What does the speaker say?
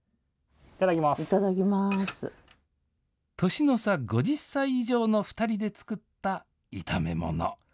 年の差５０歳以上の２人で作った炒めもの。